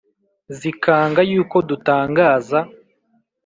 Zikanga yuko dutangaza